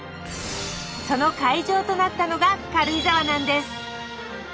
その会場となったのが軽井沢なんです！